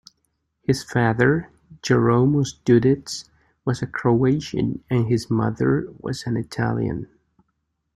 His father, Jeromos Dudits, was a Croatian and his mother was an Italian.